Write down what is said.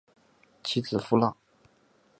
其子苻朗。